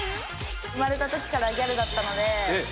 生まれたときからギャルだったので。